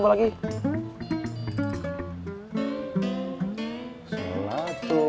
ya meskipun sedikit